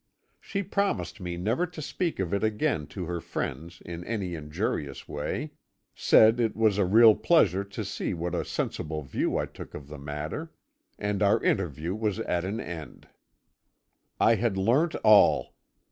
She promised me never to speak of it again to her friends in any injurious way, said it was a real pleasure to see what a sensible view I took of the matter, and our interview was at an end. "I had learnt all.